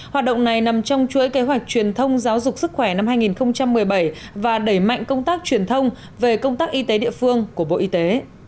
hoạt động này nằm trong chuỗi kế hoạch truyền thông giáo dục sức khỏe năm hai nghìn một mươi bảy và đẩy mạnh công tác truyền thông về công tác y tế địa phương của bộ y tế